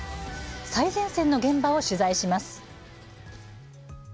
最前線の現場を取材します。